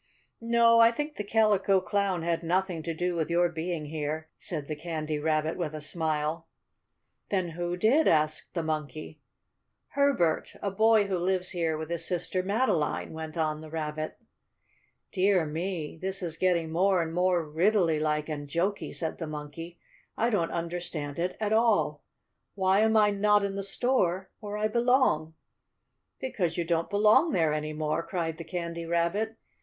"No, I think the Calico Clown had nothing to do with your being here," said the Candy Rabbit with a smile. "Then who did?" asked the Monkey. "Herbert. A boy who lives here with his sister Madeline," went on the Rabbit. "Dear me! this is getting more and more riddly like and jokey," said the Monkey. "I don't understand it at all! Why am I not in the store where I belong?" "Because you don't belong there any more," cried the Candy Rabbit.